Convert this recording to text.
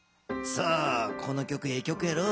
この曲ええ曲やろ？